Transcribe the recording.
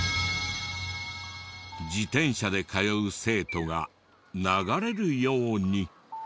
自転車で通う生徒が流れるように。